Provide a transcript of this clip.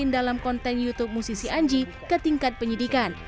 dalam konten youtube musisi anji ke tingkat penyidikan